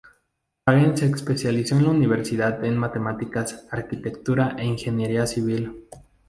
Hagen se especializó en la universidad en matemáticas, arquitectura e ingeniería civil.